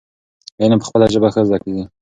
علم په خپله ژبه ښه زده کيږي.